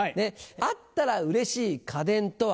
「あったらうれしい家電とは？」